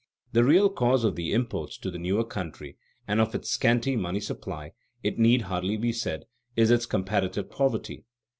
The real cause of the imports to the newer country and of its scanty money supply, it need hardly be said, is its comparative poverty.